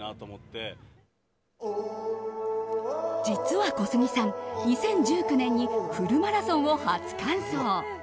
実は小杉さん、２０１９年にフルマラソンを初完走。